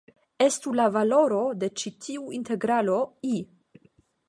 Estu la valoro de ĉi tiu integralo "I".